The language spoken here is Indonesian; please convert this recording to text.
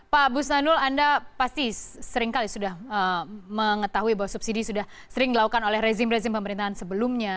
pak busnanul anda pasti seringkali sudah mengetahui bahwa subsidi sudah sering dilakukan oleh rezim rezim pemerintahan sebelumnya